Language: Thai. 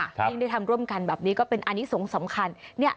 ยิ่งได้ทำร่วมกันแบบนี้ก็เป็นอันนี้สงฆ์สำคัญ